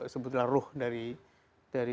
sebetulnya ruh dari